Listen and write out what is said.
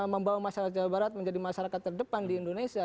membawa masyarakat jawa barat menjadi masyarakat terdepan di indonesia